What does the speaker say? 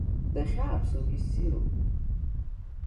Дахьааԥсоугьы ссируп!